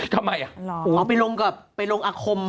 ทำไมอ่ะอ๋อไปลงกับไปลงอัคคม